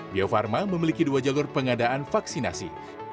bio farma memiliki dua jalur pengadaan vaksinasi